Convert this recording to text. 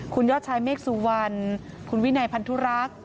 คุณยอดชายเมฆสุวรรณคุณวินัยพันธุรักษ์